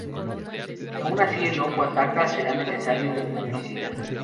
Si aun así el hongo ataca, será necesario un fungicida.